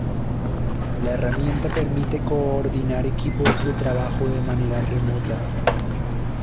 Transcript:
La herramienta permite coordinar equipos de trabajo de manera remota.